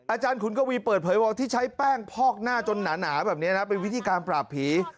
อาจารย์ขุนกวีเปิดเผยว่าที่ใช้แป้งพอกหน้าจนหนาแบบนี้นะเป็นวิธีการปราบผี